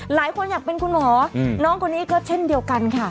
หลายคนอยากเป็นคุณหมอน้องคนนี้ก็เช่นเดียวกันค่ะ